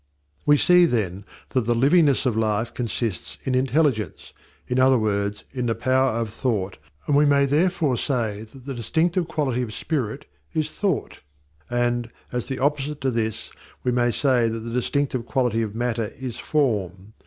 We see, then, that the livingness of Life consists in intelligence in other words, in the power of Thought; and we may therefore say that the distinctive quality of spirit is Thought, and, as the opposite to this, we may say that the distinctive quality of matter is Form.